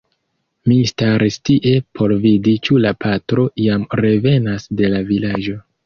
Mi staris tie por vidi ĉu la patro jam revenas de "la Vilaĝo".